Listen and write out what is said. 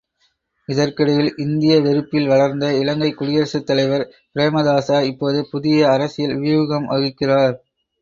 இதற்கிடையில் இந்திய வெறுப்பில் வளர்ந்த இலங்கைக் குடியரசுத் தலைவர் பிரேமதாசா இப்போது புதிய அரசியல் வியூகம் வகுக்கிறார்.